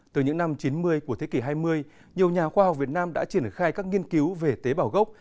từ những năm chín mươi của thế kỷ hai mươi nhiều nhà khoa học việt nam đã triển khai các nghiên cứu về tế bào gốc